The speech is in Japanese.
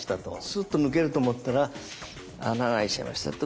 「スッと抜けると思ったら穴が開いちゃいました」と。